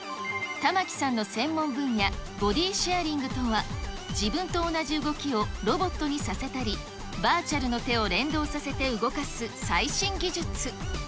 玉城さんの専門分野、ボディシェアリングとは、自分と同じ動きをロボットにさせたり、バーチャルの手を連動させて動かす最新技術。